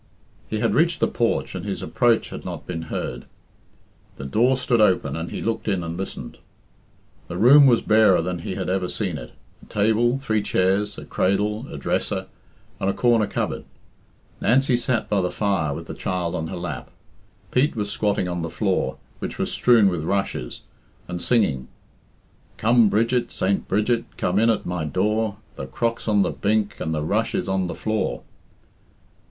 He bad reached the porch and his approach had not been heard. The door stood open and he looked in and listened. The room was barer than he had ever seen it a table, three chairs, a cradle, a dresser, and a corner cupboard. Nancy sat by the fire with the child on her lap. Pete was squatting on the floor, which was strewn with rushes, and singing "Come, Bridget, Saint Bridget, come in at my door, The crock's on the bink, and the rush is on the floor."